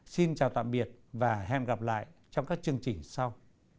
xin chào tạm biệt và hẹn gặp lại trong các chương trình sau